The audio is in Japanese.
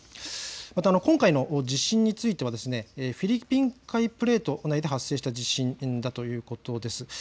また今回の地震についてはフィリピン海プレートこのあいだ発生した地震だということです。